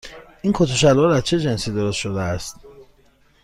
این کت و شلوار از چه جنسی درست شده است؟